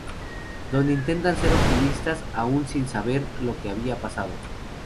Donde intentan ser optimistas, aun sin saber lo que había pasado.